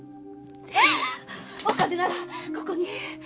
お金ならここに！